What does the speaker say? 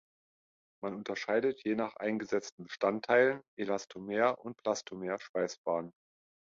Man unterscheidet, je nach eingesetzten Bestandteilen, Elastomer- und Plastomer-Schweißbahnen.